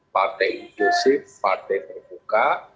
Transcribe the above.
partai inklusif partai terbuka